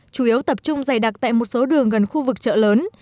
chủ yếu tập trung dày đặc tại một số đường gần khu vực chợ lớn